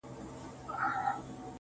ه په سندرو کي دي مينه را ښودلې.